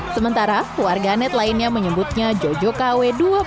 sementara warganet lainnya menyebutnya jojo kw dua puluh